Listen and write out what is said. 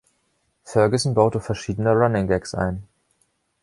Ferguson baute verschiedene Running Gags ein.